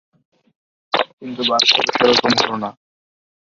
কিন্তু বাস্তবে সেরকম হলো না।